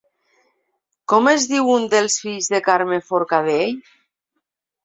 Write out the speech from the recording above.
Com es diu un dels fills de Carme Forcadell?